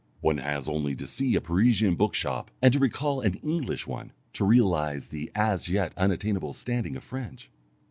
One has only to see a Parisian bookshop, and to recall an English one, to realize the as yet unattainable standing of French.